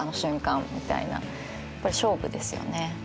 やっぱり勝負ですよね。